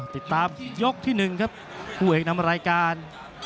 ติดตามยกที่๑ครับคู่เอกนำรายการ